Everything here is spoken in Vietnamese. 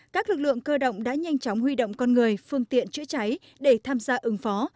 các lực lượng cơ động đã nhanh chóng huy động con người phương tiện chữa cháy để tham gia ứng phó